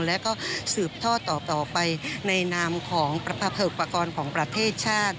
และก็สืบท่อต่อไปในนามของประเภทประกอบของประเทศชาติ